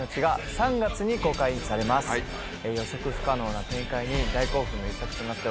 予測不可能な展開に大興奮の一作となっております。